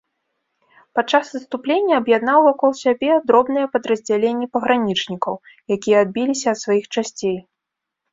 Падчас адступлення аб'яднаў вакол сябе дробныя падраздзяленні пагранічнікаў, якія адбіліся ад сваіх часцей.